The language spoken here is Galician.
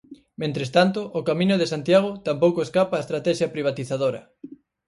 Mentres tanto, o Camiño de Santiago tampouco escapa á estratexia privatizadora.